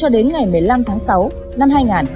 đến năm tháng sáu năm hai nghìn hai mươi sáu